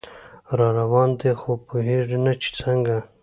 راروان دی خو پوهیږي نه چې څنګه